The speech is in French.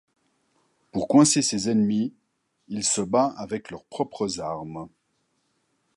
Pour coincer ses ennemis, il se bat avec leurs propres armes.